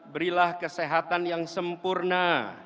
berilah kesehatan yang sempurna